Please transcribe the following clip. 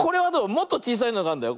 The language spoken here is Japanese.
もっとちいさいのがあるんだよ。